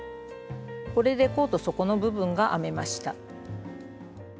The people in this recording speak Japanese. これで甲と底の部分が編めました。